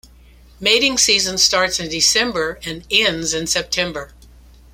Mating season starts in December and ends in September.